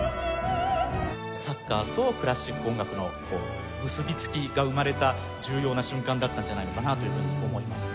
サッカーとクラシック音楽の結びつきが生まれた重要な瞬間だったんじゃないのかなというふうに思います。